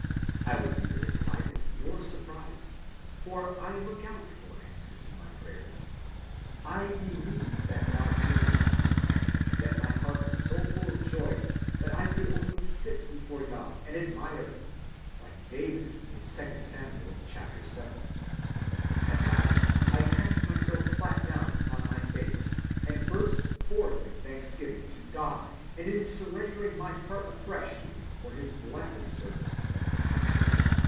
I was neither excited nor surprised; for I look out for answers to my prayers. I believe that God hears me. Yet my heart was so full of joy that I could only sit before God, and admire him, like David in 2 Samuel vii. At last I cast myself flat down upon my face and burst forth in thanksgiving to God and in surrendering my heart afresh to him for his blessed service."